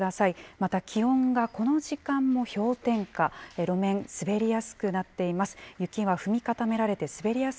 また気温がこの時間も氷点下、路面、滑りやすくなっています。